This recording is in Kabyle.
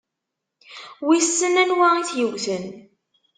Wissen anwa i t-yewwten?